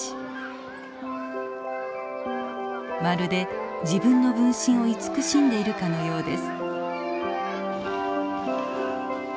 まるで自分の分身を慈しんでいるかのようです。